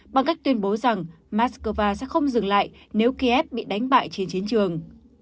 bằng cách tuyên bố rằng moscow sẽ không dừng lại nếu kiev bị đánh bại trên chiến trường